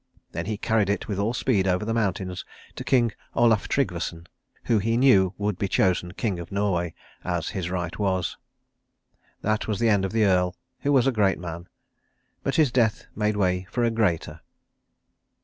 Then he carried it with all speed over the mountains to King Olaf Trygvasson, who he knew would be chosen King of Norway, as his right was. That was the end of the Earl, who was a great man. But his death made way for a greater.